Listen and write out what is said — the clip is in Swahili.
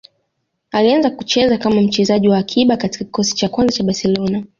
Alianza kucheza kama mchezaji wa akiba katika kikosi cha kwanza cha Barcelona